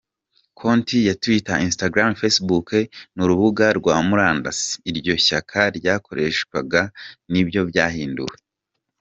Konti ya Twitter, Instagram, Facebook n’urubuga rwa murandasi iryo shyaka ryakoreshaga nibyo byahinduwe.